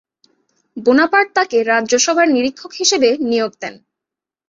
Bonaparte তাকে রাজ্যসভার নিরীক্ষক হিসেবে নিয়োগ দেন।